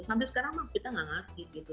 sampai sekarang kita nggak ngerti gitu